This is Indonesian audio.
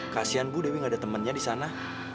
kasian bu dewi nggak ada temannya di sana